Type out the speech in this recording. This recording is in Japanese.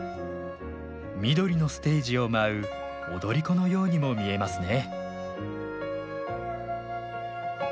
緑のステージを舞う踊り子のようにも見えますね